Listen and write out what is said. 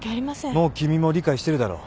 もう君も理解してるだろう。